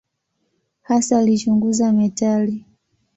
Hasa alichunguza metali.